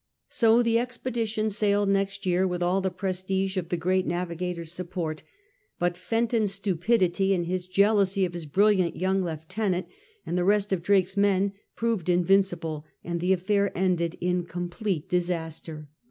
So the expedition sailed next year with all the prestige of the great navigator's support; but Fenton's stupidity, and his jealousy of his brilliant young lieutenant and the rest of Drake's men, proved invincible, and the affair ended in complete disaster.